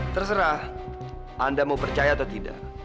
terserah anda mau percaya atau tidak